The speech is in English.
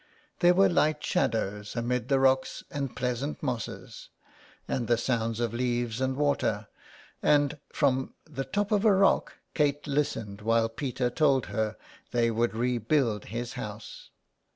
There were light shadows amid the rocks and pleasant mosses, and the sounds of leaves and water, and from the top of a rock Kate listened while Peter told her they would rebuild his house.